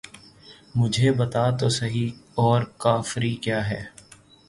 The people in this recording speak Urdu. مجھے بتا تو سہی اور کافری کیا ہے!